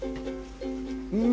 うん！